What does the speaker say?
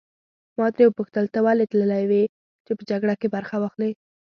ما ترې وپوښتل ته ولې تللی وې چې په جګړه کې برخه واخلې.